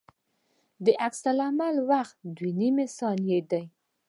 د عکس العمل وخت دوه نیمې ثانیې دی